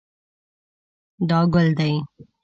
دا ګل دی